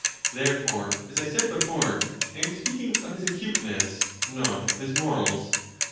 Therefore, as I said before, I am speaking of his acuteness, not of his morals.